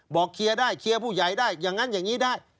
เคลียร์ได้เคลียร์ผู้ใหญ่ได้อย่างนั้นอย่างนี้ได้